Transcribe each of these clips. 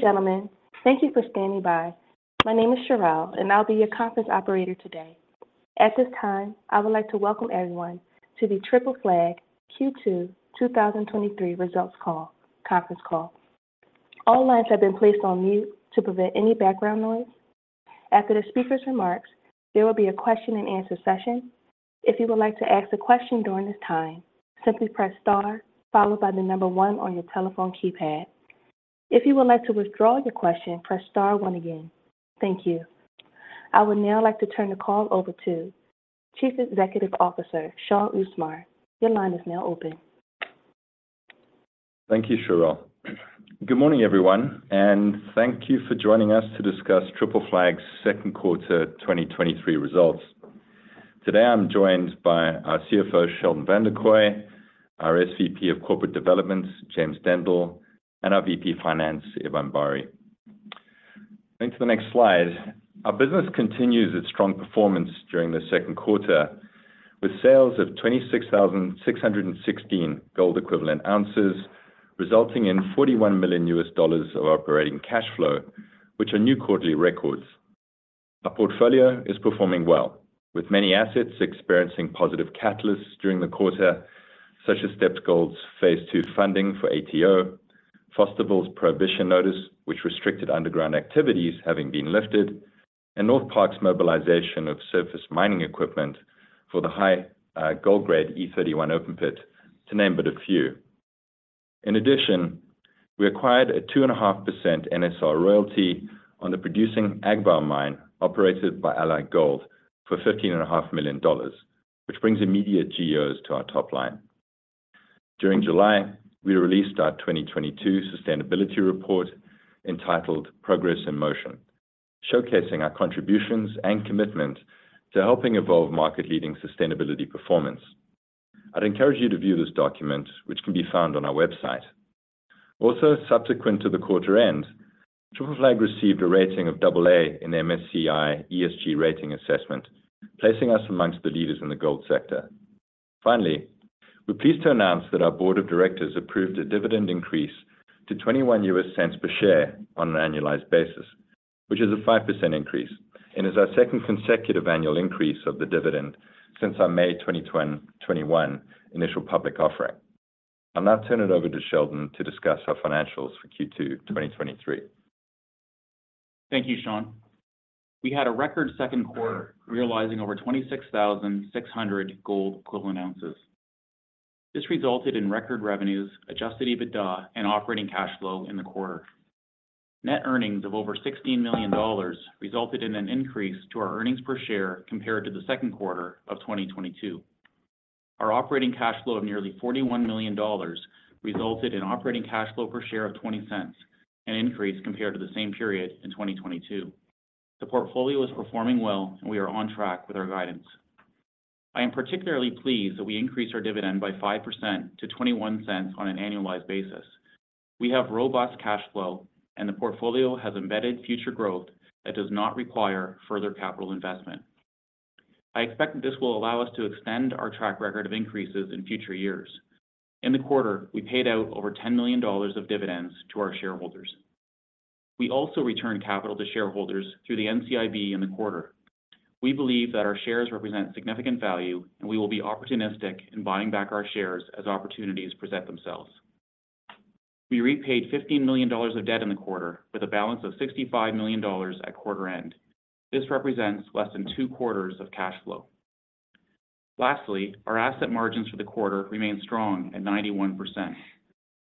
Gentlemen, thank you for standing by. My name is Cherelle, and I'll be your conference operator today. At this time, I would like to welcome everyone to the Triple Flag Q2 2023 results call, conference call. All lines have been placed on mute to prevent any background noise. After the speaker's remarks, there will be a question and answer session. If you would like to ask a question during this time, simply press star followed by one on your telephone keypad. If you would like to withdraw your question, press star one again. Thank you. I would now like to turn the call over to Chief Executive Officer, Shaun Usmar. Your line is now open. Thank you, Cherelle. Good morning, everyone, thank you for joining us to discuss Triple Flag's second quarter 2023 results. Today, I'm joined by our CFO, Sheldon Vanderkooy, our S.V.P. of Corporate Development, James Dendle, our V.P. Finance, Ebab Bari. Into the next slide. Our business continues its strong performance during the second quarter, with sales of 26,616 gold equivalent ounces, resulting in $41 million of operating cash flow, which are new quarterly records. Our portfolio is performing well, with many assets experiencing positive catalysts during the quarter, such as Steppe Gold's Phase two funding for ATO, Fosterville's prohibition notice, which restricted underground activities having been lifted, Northparkes's mobilization of surface mining equipment for the high gold grade E31 open pit, to name but a few. In addition, we acquired a 2.5% NSR royalty on the producing Agbaou Mine, operated by Allied Gold for $15.5 million, which brings immediate GEOs to our top line. During July, we released our 2022 sustainability report entitled Progress in Motion, showcasing our contributions and commitment to helping evolve market-leading sustainability performance. I'd encourage you to view this document, which can be found on our website. Subsequent to the quarter end, Triple Flag received a rating of AA in the MSCI ESG rating assessment, placing us amongst the leaders in the gold sector. Finally, we're pleased to announce that our board of directors approved a dividend increase to $0.21 per share on an annualized basis, which is a 5% increase, and is our second consecutive annual increase of the dividend since our May 2021 initial public offering. I'll now turn it over to Sheldon to discuss our financials for Q2 2023. Thank you, Sean. We had a record second quarter, realizing over 26,600 gold equivalent ounces. This resulted in record revenues, adjusted EBITDA, and operating cash flow in the quarter. Net earnings of over $16 million resulted in an increase to our earnings per share compared to the second quarter of 2022. Our operating cash flow of nearly $41 million resulted in operating cash flow per share of $0.20, an increase compared to the same period in 2022. The portfolio is performing well, and we are on track with our guidance. I am particularly pleased that we increased our dividend by 5% to $0.21 on an annualized basis. We have robust cash flow, and the portfolio has embedded future growth that does not require further capital investment. I expect that this will allow us to extend our track record of increases in future years. In the quarter, we paid out over $10 million of dividends to our shareholders. We also returned capital to shareholders through the NCIB in the quarter. We believe that our shares represent significant value. We will be opportunistic in buying back our shares as opportunities present themselves. We repaid $15 million of debt in the quarter, with a balance of $65 million at quarter end. This represents less than two quarters of cash flow. Lastly, our asset margins for the quarter remain strong at 91%.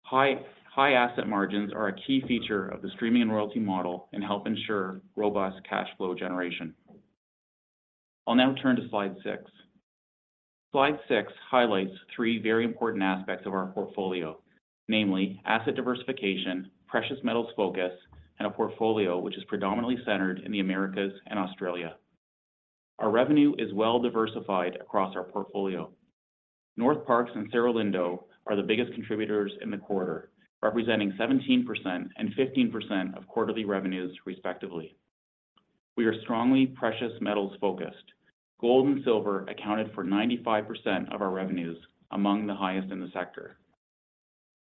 High, high asset margins are a key feature of the streaming and royalty model and help ensure robust cash flow generation. I'll now turn to slide six. Slide six highlights three very important aspects of our portfolio, namely asset diversification, precious metals focus, and a portfolio which is predominantly centered in the Americas and Australia. Our revenue is well diversified across our portfolio. Northparkes and Cerro Lindo are the biggest contributors in the quarter, representing 17% and 15% of quarterly revenues, respectively. We are strongly precious metals-focused. Gold and silver accounted for 95% of our revenues, among the highest in the sector.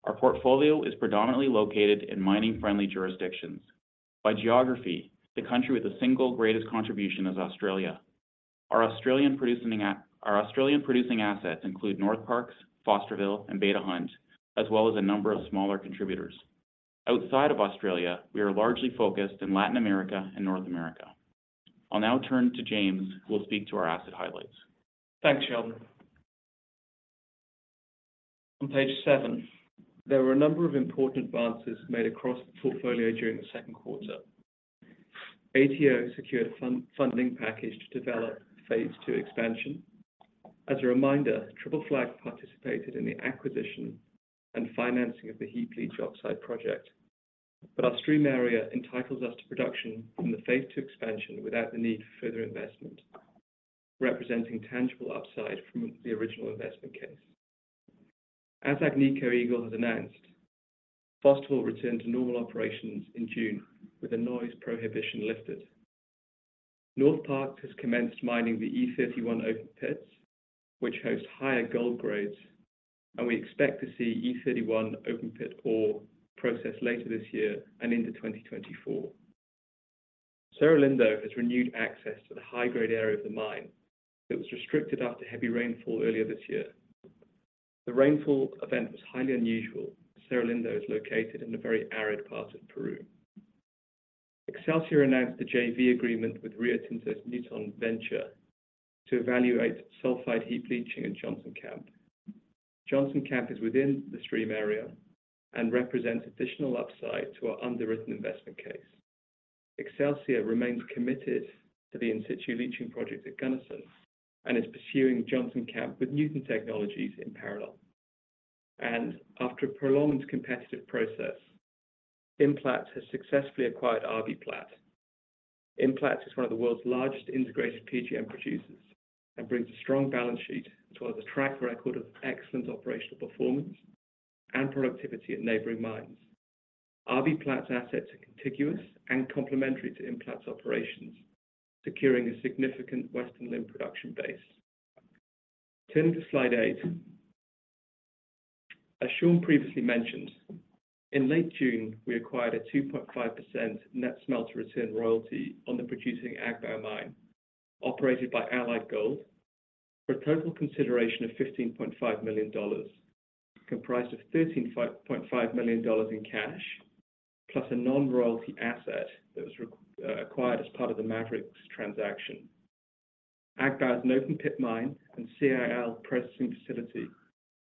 Our portfolio is predominantly located in mining-friendly jurisdictions. By geography, the country with the single greatest contribution is Australia. Our Australian producing assets include Northparkes, Fosterville, and Beta Hunt, as well as a number of smaller contributors. Outside of Australia, we are largely focused in Latin America and North America. I'll now turn to James, who will speak to our asset highlights. Thanks, Sheldon. On page seven, there were a number of important advances made across the portfolio during the second quarter. ATO secured funding package to develop Phase two expansion. As a reminder, Triple Flag participated in the acquisition and financing of the heap leach oxide project, but our stream area entitles us to production from the Phase two expansion without the need for further investment, representing tangible upside from the original investment case. As Agnico Eagle has announced, Fosterville returned to normal operations in June with a noise prohibition lifted. Northparkes has commenced mining the E31 open pits, which host higher gold grades, and we expect to see E31 open pit ore processed later this year and into 2024. Cerro Lindo has renewed access to the high-grade area of the mine that was restricted after heavy rainfall earlier this year. The rainfall event was highly unusual. Cerro Lindo is located in a very arid part of Peru. Excelsior announced a JV agreement with Rio Tinto's Nuton Venture to evaluate sulfide heap leaching in Johnson Camp. Johnson Camp is within the stream area and represents additional upside to our underwritten investment case. Excelsior remains committed to the in situ leaching project at Gunnison and is pursuing Johnson Camp with Nuton Technologies in parallel. After a prolonged competitive process, Implats has successfully acquired RBPlat. Implats is one of the world's largest integrated PGM producers and brings a strong balance sheet as well as a track record of excellent operational performance and productivity at neighboring mines. RBPlat's assets are contiguous and complementary to Implats operations, securing a significant western limb production base. Turning to slide eight. As Sean previously mentioned, in late June, we acquired a 2.5% net smelter return royalty on the producing Agbaou Mine, operated by Allied Gold, for a total consideration of $15.5 million, comprised of $13.5 million in cash, plus a non-royalty asset that was re acquired as part of the Maverix's transaction. Agbaou is an open pit mine and CIL processing facility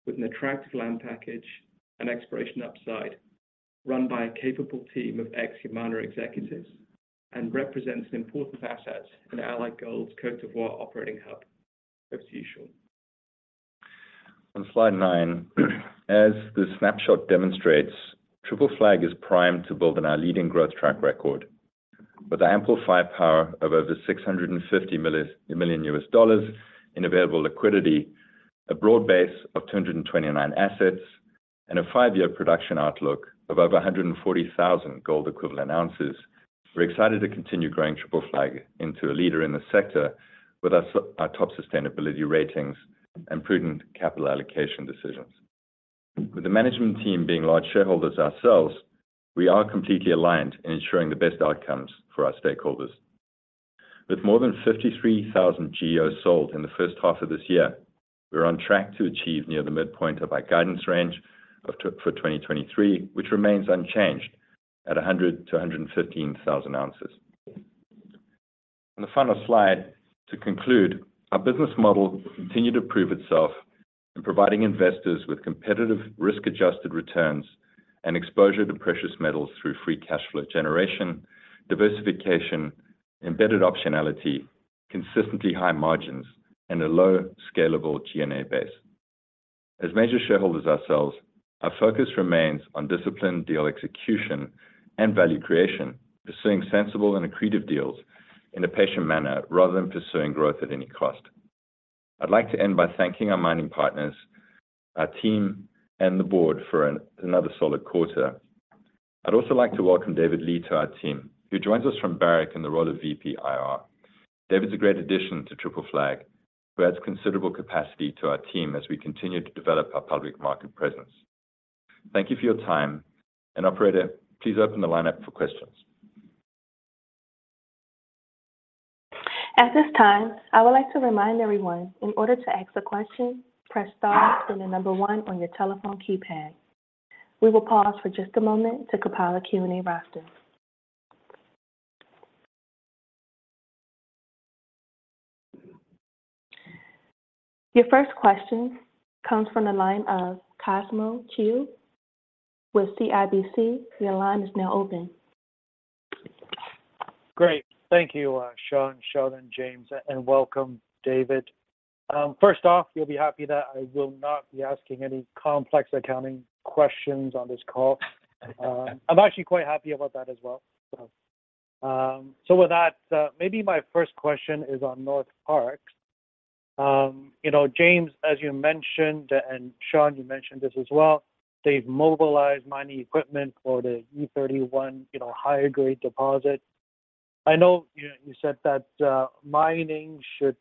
with an attractive land package and exploration upside, run by a capable team of ex-Yamana executives and represents an important asset in Allied Gold's Côte d'Ivoire operating hub. Over to you, Shaun. On slide nine, as the snapshot demonstrates, Triple Flag is primed to build on our leading growth track record. With the ample firepower of over $650 million in available liquidity, a broad base of 229 assets, and a 5-year production outlook of over 140,000 gold equivalent ounces, we're excited to continue growing Triple Flag into a leader in the sector with our top sustainability ratings and prudent capital allocation decisions. With the management team being large shareholders ourselves, we are completely aligned in ensuring the best outcomes for our stakeholders. With more than 53,000 GEOs sold in the first half of this year, we're on track to achieve near the midpoint of our guidance range for 2023, which remains unchanged at 100,000-115,000 ounces. On the final slide, to conclude, our business model continued to prove itself in providing investors with competitive risk-adjusted returns and exposure to precious metals through free cash flow generation, diversification, embedded optionality, consistently high margins, and a low, scalable G&A base. As major shareholders ourselves, our focus remains on disciplined deal execution and value creation, pursuing sensible and accretive deals in a patient manner, rather than pursuing growth at any cost. I'd like to end by thanking our mining partners, our team, and the board for another solid quarter. I'd also like to welcome David Lee to our team, who joins us from Barrick in the role of VP, IR. David's a great addition to Triple Flag, who adds considerable capacity to our team as we continue to develop our public market presence. Thank you for your time. Operator, please open the line up for questions. At this time, I would like to remind everyone, in order to ask a question, press star then the number one on your telephone keypad. We will pause for just a moment to compile a Q&A roster. Your first question comes from the line of. Cosmos Chiu with CIBC Your line is now open. Great. Thank you, Sean, Sheldon, James, and welcome, David. First off, you'll be happy that I will not be asking any complex accounting questions on this call. I'm actually quite happy about that as well. With that, maybe my first question is on Northparkes. You know, James, as you mentioned, and Shaun, you mentioned this as well, they've mobilized mining equipment for the E31, you know, higher-grade deposit. I know you, you said that mining should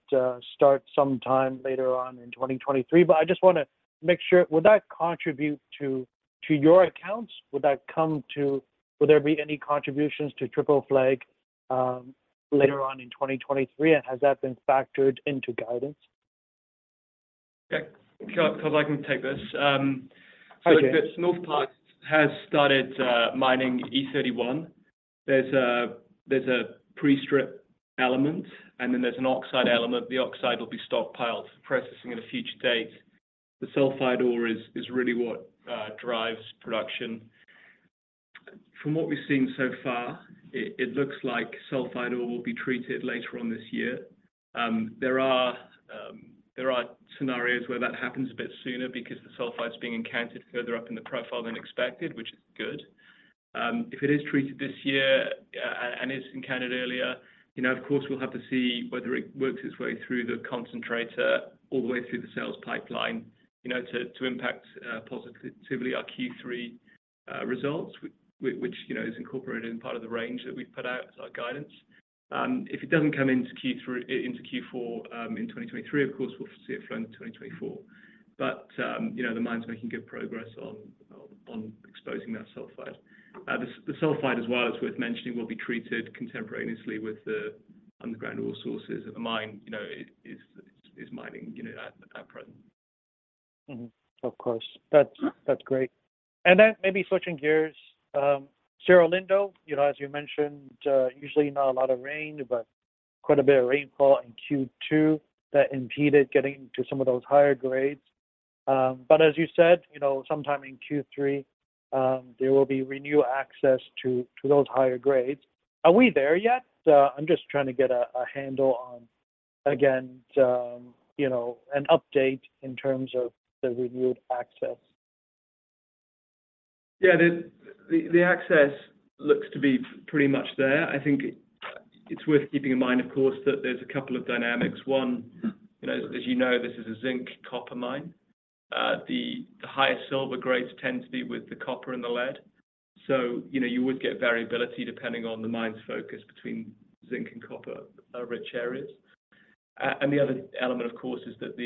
start sometime later on in 2023, but I just wanna make sure, would that contribute to your accounts? Would there be any contributions to Triple Flag later on in 2023, and has that been factored into guidance? Okay. Cosmo, I can take this. Okay. If Northparkes has started mining E31, there's a pre-strip element, and then there's an oxide element. The oxide will be stockpiled for processing at a future date. The sulfide ore is really what drives production. From what we've seen so far, it looks like sulfide ore will be treated later on this year. There are scenarios where that happens a bit sooner because the sulfide's being encountered further up in the profile than expected, which is good. If it is treated this year, and is encountered earlier, you know, of course, we'll have to see whether it works its way through the concentrator all the way through the sales pipeline, you know, to impact positively our Q3-... results, which, you know, is incorporated in part of the range that we've put out as our guidance. If it doesn't come into Q3, into Q4, in 2023, of course, we'll see it flow into 2024. You know, the mine's making good progress on, on, on exposing that sulfide. The sulfide as well, it's worth mentioning, will be treated contemporaneously with the underground oil sources at the mine, you know, it is mining, you know, at, at present. Mm-hmm. Of course. That's, that's great. Then maybe switching gears, Cerro Lindo, you know, as you mentioned, usually not a lot of rain, but quite a bit of rainfall in Q2 that impeded getting to some of those higher grades. As you said, you know, sometime in Q3, there will be renewed access to, to those higher grades. Are we there yet? I'm just trying to get a, a handle on, again, you know, an update in terms of the renewed access. Yeah, the, the, the access looks to be pretty much there. I think it's worth keeping in mind, of course, that there's a couple of dynamics. One, Mm-hmm. You know, as you know, this is a zinc copper mine. The highest silver grades tend to be with the copper and the lead. You know, you would get variability depending on the mine's focus between zinc and copper rich areas. The other element, of course, is that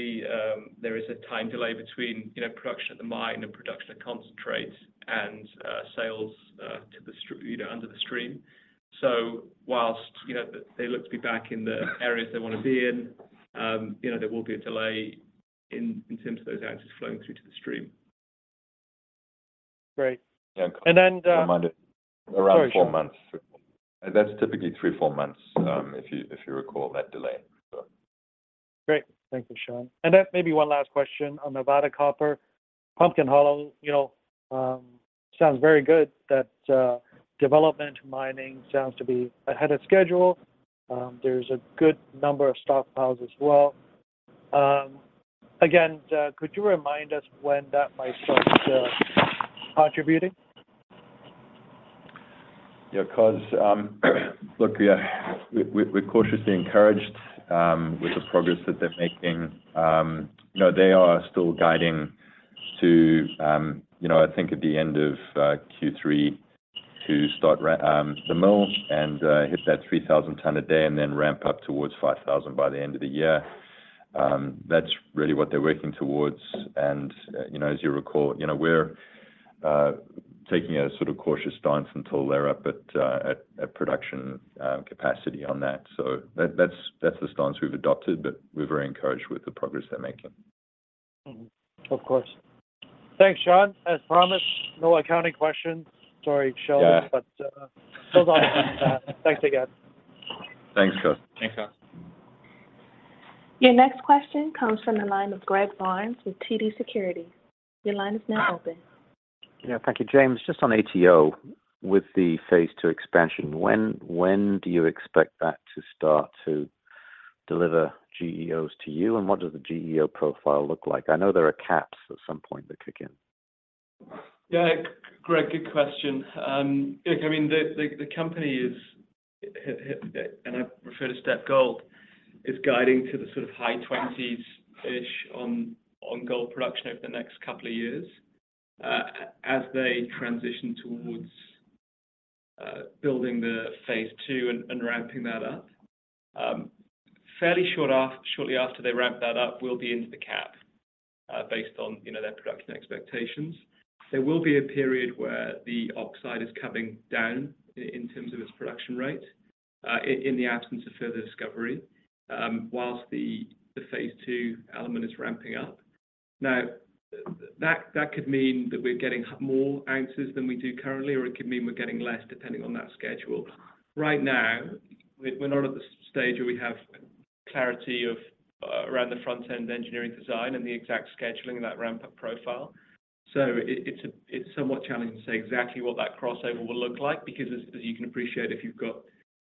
there is a time delay between, you know, production at the mine and production of concentrate, and sales to the stre- you know, under the stream. Whilst, you know, they look to be back in the areas they wanna be in, you know, there will be a delay in, in terms of those ounces flowing through to the stream. Great. Yeah. Then Around four months. Sorry. That's typically three, four months, if you, if you recall that delay, so. Great. Thank you, Shaun. Then maybe one last question on Nevada Copper. Pumpkin Hollow, you know, sounds very good that development mining sounds to be ahead of schedule. There's a good number of stockpiles as well. Again, could you remind us when that might start contributing? Yeah, cause, look, we're cautiously encouraged with the progress that they're making. You know, they are still guiding to, you know, I think at the end of Q3 to start the mill and hit that 3,000 tons a day, and then ramp up towards 5,000 by the end of the year. That's really what they're working towards. You know, as you recall, you know, we're taking a sort of cautious stance until they're up at production capacity on that. That, that's, that's the stance we've adopted, but we're very encouraged with the progress they're making. Mm-hmm. Of course. Thanks, Shaun. As promised, no accounting questions. Sorry, Sheldon. Yeah. Those are. Thanks again. Thanks, Cos. Thanks, Cos. Your next question comes from the line of Greg Barnes with TD Securities. Your line is now open. Yeah, thank you, James. Just on ATO, with the phase two expansion, when, when do you expect that to start to deliver GEOs to you? What does the GEO profile look like? I know there are caps at some point that kick in. Yeah, Greg, good question. look, I mean, the, the, the company is, and I refer to Steppe Gold, is guiding to the sort of high 20s-ish on, on gold production over the next couple years. as they transition towards building the phase two and ramping that up. fairly short shortly after they ramp that up, we'll be into the cap, based on, you know, their production expectations. There will be a period where the oxide is coming down in terms of its production rate, in the absence of further discovery, whilst the phase two element is ramping up. Now, that, that could mean that we're getting more ounces than we do currently, or it could mean we're getting less, depending on that schedule. Right now, we're, we're not at the stage where we have clarity of around the front-end engineering design and the exact scheduling in that ramp-up profile. It, it's a, it's somewhat challenging to say exactly what that crossover will look like, because as, as you can appreciate, if you've got,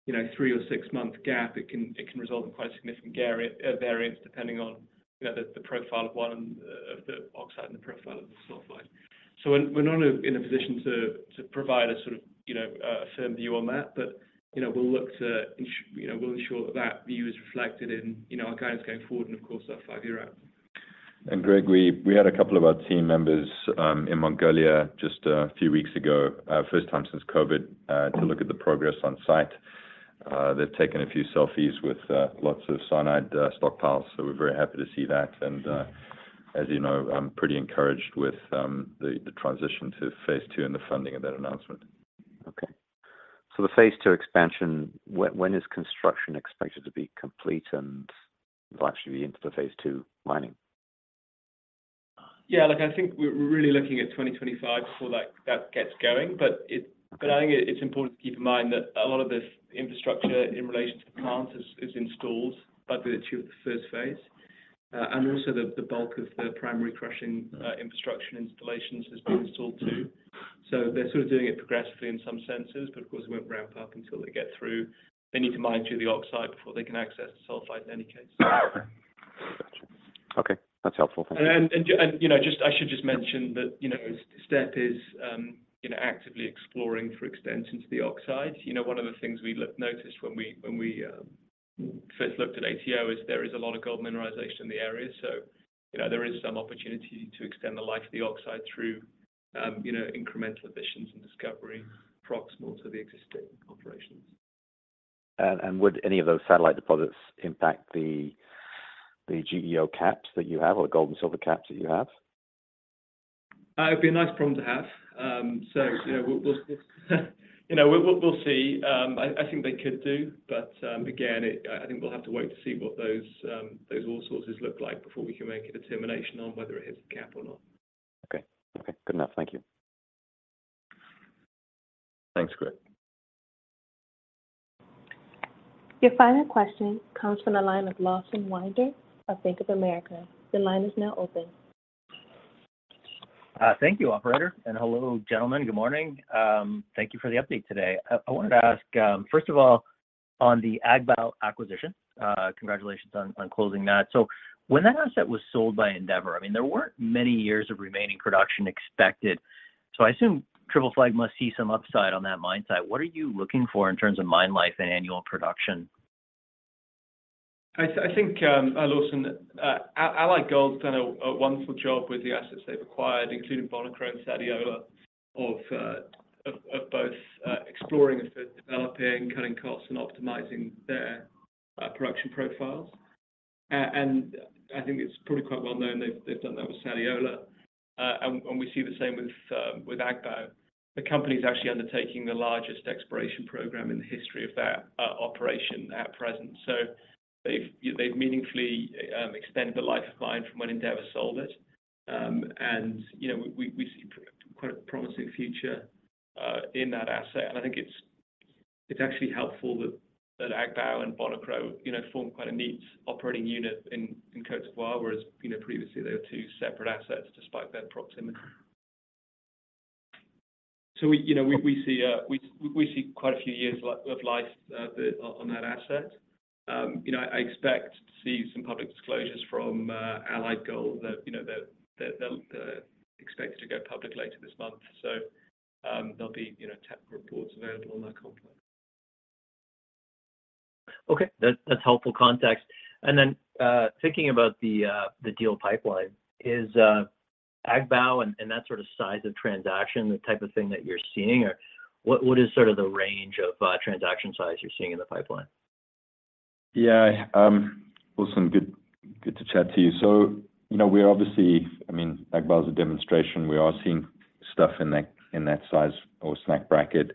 you know, three or six-month gap, it can, it can result in quite significant variance, depending on, you know, the, the profile of one of the oxide and the profile of the sulfide. We're, we're not in a, in a position to, to provide a sort of, you know, a firm view on that, but, you know, we'll look to, you know, we'll ensure that that view is reflected in, you know, our guidance going forward, and of course, our five-year out. Greg, we, we had a couple of our team members in Mongolia just a few weeks ago, first time since COVID, to look at the progress on site. They've taken a few selfies with lots of cyanide stockpiles, so we're very happy to see that. As you know, I'm pretty encouraged with the transition to phase two and the funding of that announcement. Okay. The phase two expansion, when is construction expected to be complete and we'll actually be into the phase two mining? Yeah, look, I think we're, we're really looking at 2025 before that, that gets going. I think it, it's important to keep in mind that a lot of this infrastructure in relation to the plant is, is installed by the virtue of the first phase. Also the, the bulk of the primary crushing, infrastructure and installations has been installed too. They're sort of doing it progressively in some senses, but of course, it won't ramp up until they get through. They need to mine through the oxide before they can access the sulfide in any case. Gotcha. Okay, that's helpful. Thank you. You know, just, I should just mention that, you know, Steppe Gold is actively exploring for extension to the oxide. You know, one of the things we noticed when we, when we, first looked at ATO is there is a lot of gold mineralization in the area. You know, there is some opportunity to extend the life of the oxide through, you know, incremental emissions and discovery proximal to the existing operations. Would any of those satellite deposits impact the GEO caps that you have or the gold and silver caps that you have? It'd be a nice problem to have. You know, we'll, we'll, you know, we'll, we'll see. I, I think they could do, again, it, I think we'll have to wait to see what those ore sources look like before we can make a determination on whether it hits the cap or not. Okay. Okay, good enough. Thank you. Thanks, Greg. Your final question comes from the line of Lawson Winder of Bank of America. Your line is now open. Thank you, operator, and hello, gentlemen. Good morning. Thank you for the update today. I wanted to ask, first of all, on the Agba acquisition, congratulations on closing that. When that asset was sold by Endeavour, I mean, there weren't many years of remaining production expected, so I assume Triple Flag must see some upside on that mine site. What are you looking for in terms of mine life and annual production? I think, Lawson, Allied Gold's done a wonderful job with the assets they've acquired, including Bonikro and Sadiola, of both exploring, developing, cutting costs, and optimizing their production profiles. I think it's probably quite well known they've done that with Sadiola. We see the same with Agba. The company is actually undertaking the largest exploration program in the history of that operation at present. They've meaningfully extended the life of mine from when Endeavour sold it. You know, we see quite a promising future in that asset. I think it's actually helpful that Agba and Bonikro, you know, form quite a neat operating unit in Côte d'Ivoire, whereas, you know, previously they were two separate assets despite their proximity. We, you know, we, we see, we, we see quite a few years of life on that asset. You know, I expect to see some public disclosures from Allied Gold that, you know, that, that expects to go public later this month. There'll be, you know, tech reports available on that complex. Okay, that's, that's helpful context. Then, thinking about the, the deal pipeline, is Agba and, and that sort of size of transaction, the type of thing that you're seeing? Or what, what is sort of the range of transaction size you're seeing in the pipeline? Yeah, Lawson, good, good to chat to you. You know, we're obviously... I mean, Agba is a demonstration. We are seeing stuff in that, in that size or snack bracket,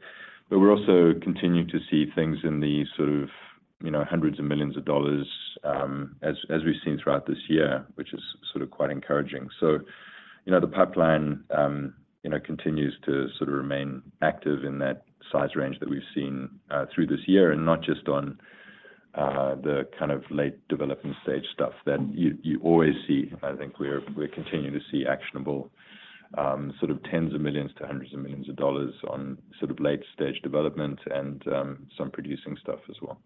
but we're also continuing to see things in the sort of, you know, hundreds of millions of dollars, as, as we've seen throughout this year, which is sort of quite encouraging. You know, the pipeline, you know, continues to sort of remain active in that size range that we've seen through this year, and not just on the kind of late development stage stuff that you, you always see. I think we're, we're continuing to see actionable, sort of tens of millions to hundreds of millions of dollars on sort of late-stage development and some producing stuff as well.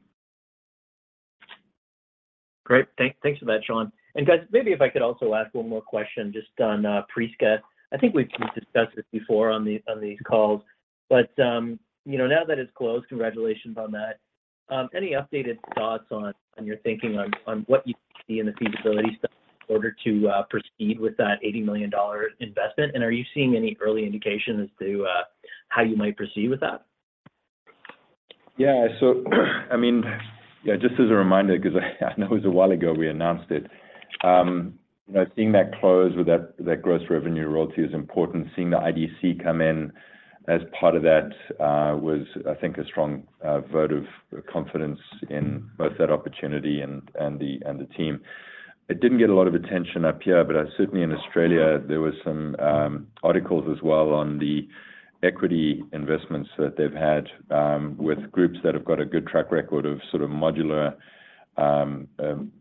Great. Thank, thanks for that, Shaun. Guys, maybe if I could also ask one more question just on Prieska. I think we've discussed this before on these calls, but, you know, now that it's closed, congratulations on that. Any updated thoughts on, on your thinking on, on what you see in the feasibility study in order to proceed with that $80 million investment? Are you seeing any early indication as to how you might proceed with that? I mean, yeah, just as a reminder, because I, I know it was a while ago, we announced it. You know, seeing that close with that, that gross revenue royalty is important. Seeing the IDC come in as part of that, was, I think, a strong vote of confidence in both that opportunity and the team. It didn't get a lot of attention up here, but certainly in Australia, there were some articles as well on the equity investments that they've had with groups that have got a good track record of sort of modular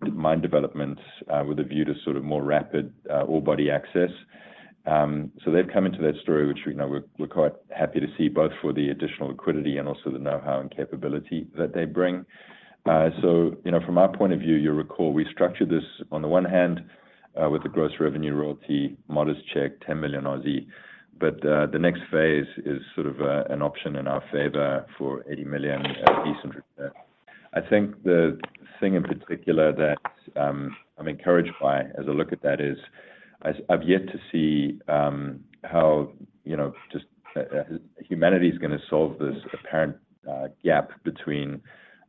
mine developments, with a view to sort of more rapid ore body access. So they've come into that story, which, you know, we're, we're quite happy to see, both for the additional liquidity and also the know-how and capability that they bring. So you know, from our point of view, you'll recall we structured this, on the one hand, with the gross revenue royalty, modest check, 10 million. The next phase is sort of an option in our favor for 80 million at a decent repair. I think the thing in particular that I'm encouraged by as I look at that is, I, I've yet to see, how, you know, just humanity's gonna solve this apparent gap between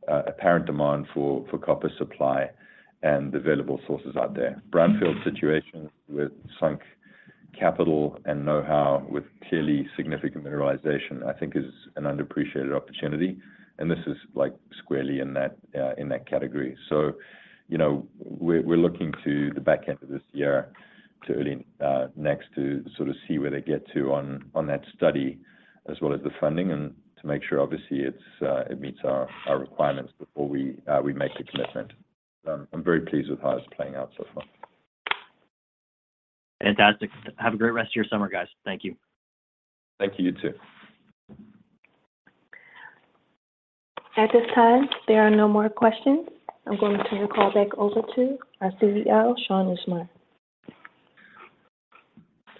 apparent demand for copper supply and available sources out there. Brownfield situations with sunk capital and know-how, with clearly significant mineralization, I think is an underappreciated opportunity. This is, like, squarely in that, in that category. You know, we're, we're looking to the back end of this year to early next to sort of see where they get to on, on that study, as well as the funding, and to make sure, obviously, it's, it meets our, our requirements before we, we make the commitment. I'm very pleased with how it's playing out so far. Fantastic. Have a great rest of your summer, guys. Thank you. Thank you. You too. At this time, there are no more questions. I'm going to turn the call back over to our CEO, Shaun Usmar.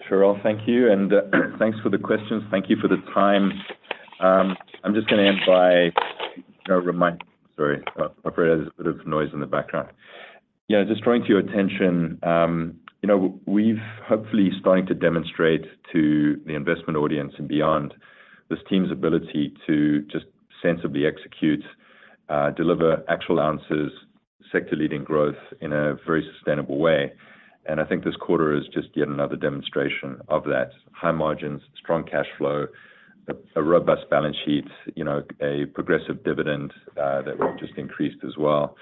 Sure, I'll thank you, and thanks for the questions. Thank you for the time. I'm just gonna end by, remind... Sorry about, operate as a bit of noise in the background. Yeah, just drawing to your attention, you know, we've hopefully starting to demonstrate to the investment audience and beyond, this team's ability to just sensibly execute, deliver actual answers, sector-leading growth in a very sustainable way. I think this quarter is just yet another demonstration of that. High margins, strong cash flow, a robust balance sheet, you know, a progressive dividend that we've just increased as well,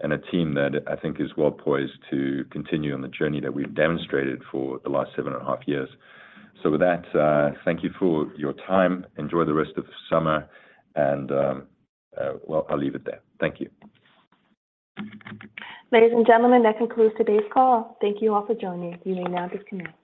and a team that I think is well poised to continue on the journey that we've demonstrated for the last seven and a half years. With that, thank you for your time. Enjoy the rest of the summer, well, I'll leave it there. Thank you. Ladies and gentlemen, that concludes today's call. Thank you all for joining. You may now disconnect.